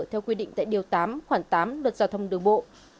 theo quy định tại điều tám khoảng tám luật giao thông đường bộ